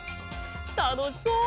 たのしそう！